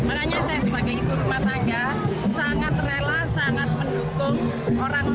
akhirnya dia itu menulis menulis terus buat contoh yang kita lebih begitu bisa